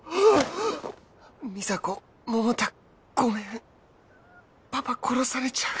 美沙子百太ごめんパパ殺されちゃう！